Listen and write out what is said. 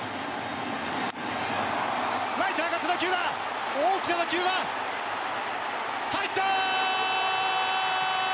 ライトへ上がった大きな打球は、入った！